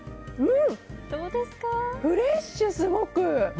うん、フレッシュ、すごく！